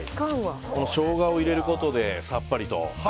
ショウガを入れることでさっぱりと。